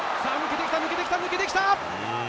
抜けてきた、抜けてきた。